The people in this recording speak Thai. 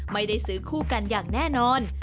ไม่ได้ซื้อคู่กันอย่างแน่นอน